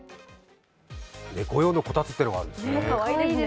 猫用のこたつっていうのがあるんですね。